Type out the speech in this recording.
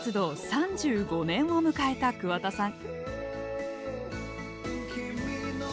３５年を迎えた桑田さん。